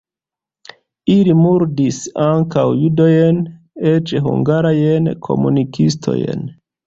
Ili murdis ankaŭ judojn, eĉ hungarajn komunistojn.